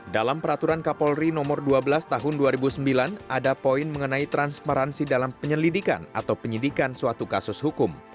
dalam peraturan kapolri nomor dua belas tahun dua ribu sembilan ada poin mengenai transparansi dalam penyelidikan atau penyidikan suatu kasus hukum